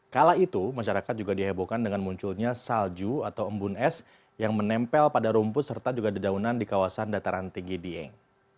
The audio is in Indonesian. kala itu masyarakat juga dihebohkan dengan munculnya salju atau embun es yang menempel pada rumput serta juga dedaunan di kawasan dataran tinggi dieng